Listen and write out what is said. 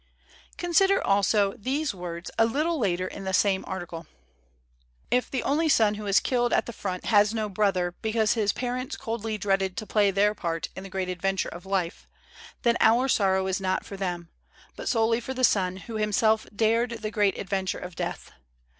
Consider also these words a little later in the same article: If the only son who is killed at the front has no brother because his parents coldly dreaded to play their part in the Great Adventure of Life, then our sorrow is not for them, but solely for the son who him self dared the Great Adventure of Death.